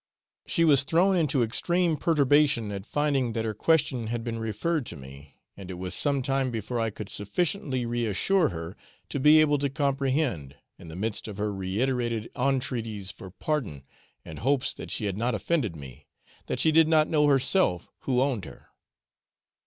She was thrown into extreme perturbation at finding that her question had been referred to me, and it was some time before I could sufficiently reassure her to be able to comprehend, in the midst of her reiterated entreaties for pardon, and hopes that she had not offended me, that she did not know herself who owned her.